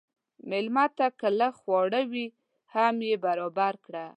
مېلمه ته که لږ خواړه وي، هم یې برابر کړه.